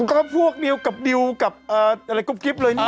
ก็พวกดิวกับดิวกับอะไรกุ๊บกรีบเลย